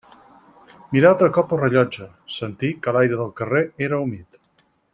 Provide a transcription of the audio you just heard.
Mirà altre cop el rellotge, sentí que l'aire del carrer era humit